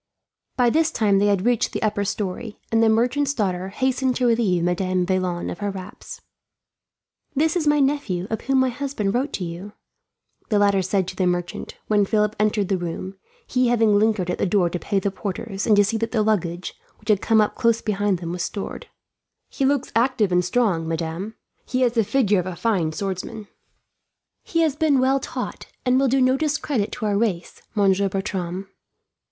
By this time they had reached the upper storey, and the merchant's daughter hastened to relieve Madame Vaillant of her wraps. "This is my nephew, of whom my husband wrote to you," the latter said to the merchant, when Philip entered the room he having lingered at the door to pay the porters, and to see that the luggage, which had come up close behind them, was stored. "He looks active and strong, madame. He has the figure of a fine swordsman." "He has been well taught, and will do no discredit to our race, Monsieur Bertram.